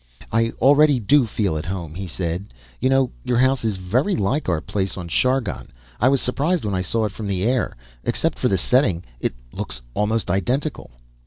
"I already do feel at home," he said. "You know, your house is very like our place on Chargon. I was surprised when I saw it from the air. Except for the setting, it looks almost identical."